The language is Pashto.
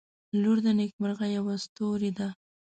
• لور د نیکمرغۍ یوه ستوری ده.